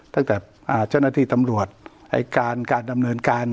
ตั้งแต่เจ้าหน้าที่ตำรวจไอ้การการดำเนินการ